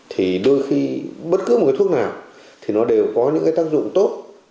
thì đôi khi bất cứ một cái thuốc nào thì nó đều có những cái tác dụng tốt